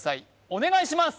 お願いします